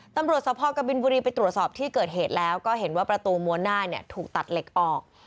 ตำรวจสภกบินบุรีไปตรวจสอบที่เกิดเหตุแล้วก็เห็นว่าประตูม้วนหน้าเนี่ยถูกตัดเหล็กออก